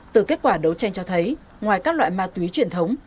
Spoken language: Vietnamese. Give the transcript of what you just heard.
từ kết quả đấu tranh cho thấy ngoài các loại ma túy truyền thống